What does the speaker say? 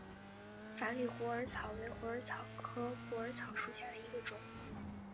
繁缕虎耳草为虎耳草科虎耳草属下的一个种。